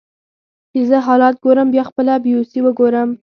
چې زه حالات ګورم بیا خپله بیوسي وګورم